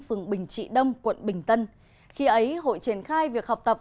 phường bình trị đông quận bình tân khi ấy hội triển khai việc học tập